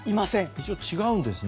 一応、違うんですね。